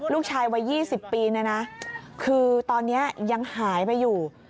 ลูกชายวัย๒๐ปีเนี่ยนะคือตอนนี้ยังหายไปอยู่